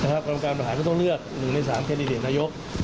กรรมการบริหารก็ต้องเลือก๑ใน๓แคนดิเดตนายก